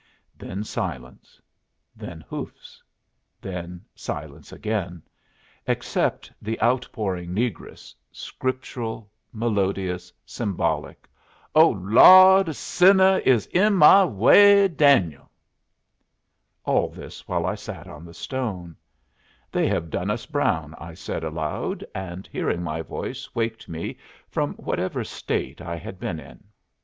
Then silence; then hoofs; then silence again, except the outpouring negress, scriptural, melodious, symbolic: "'Oh Lawd! Sinner is in my way, Daniel.'" All this while I sat on the stone. "They have done us brown," I said aloud, and hearing my voice waked me from whatever state I had been in.